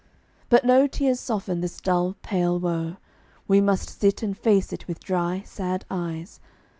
But no tears soften this dull, pale woe; We must sit and face it with dry, sad eyes.